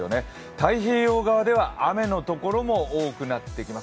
太平洋側では雨のところも多くなってきます。